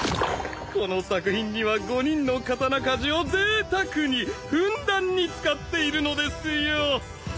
この作品には５人の刀鍛冶をぜいたくにふんだんに使っているのですよ！